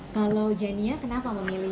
kalau jania kenapa memilih